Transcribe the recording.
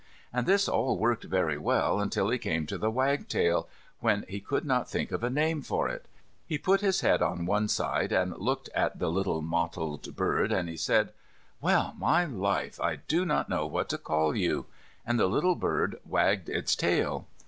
And this all worked very well until he came to the wagtail, when he could not think of a name for it. He put his head on one side and looked at the little mottled bird, and he said, "Well, my life, I do not know what to call you," and the little bird wagged its tail.